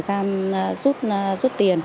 giam rút tiền